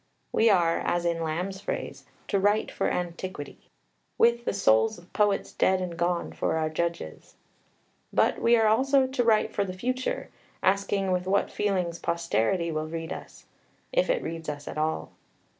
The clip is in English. We are, as in Lamb's phrase, "to write for antiquity," with the souls of poets dead and gone for our judges. But we are also to write for the future, asking with what feelings posterity will read us if it reads us at all.